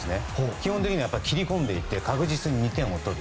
基本的に切り込んでいって確実に２点を取る。